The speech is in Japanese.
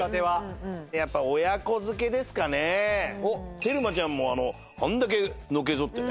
テルマちゃんもあんだけのけぞってね。